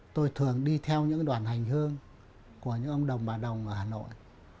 tôi thường đi theo những đoàn hành hương của những ông đồng bà đồng ở hà nội